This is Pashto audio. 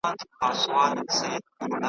ځینو نااهلو کسانو، چي زه یقین لرم .